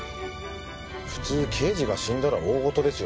普通刑事が死んだら大事ですよね？